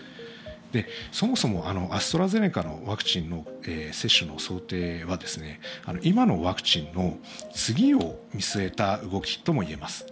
そもそもアストラゼネカのワクチンの接種の想定は、今のワクチンの次を見据えた動きとも言えます。